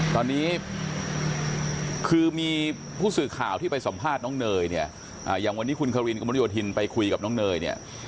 ตอนนี้คือมีผู้สื่อข่าวที่ไปสัมภาษณ์น้องเนยเนี่ยอย่างวันนี้คุณคารินกระมุดโยธินไปคุยกับน้องเนยเนี่ย